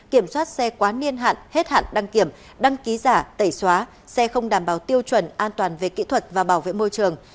kiểm soát xe quá niên hạn hết hạn đăng kiểm đăng ký giả tẩy xóa xe không đảm bảo tiêu chuẩn an toàn về kỹ thuật và bảo vệ môi trường